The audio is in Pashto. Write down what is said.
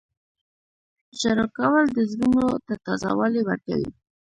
• ژړا کول د زړونو ته تازه والی ورکوي.